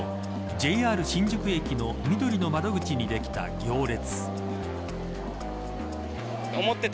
ＪＲ新宿駅のみどりの窓口にできた行列。